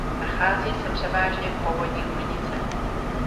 Nachází se převážně v povodí Lužnice.